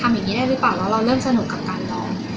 มันดีมากมายเรื่องของการทดลอง